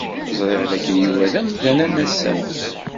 Ẓriɣ dakken Yuba d amdan anassaf.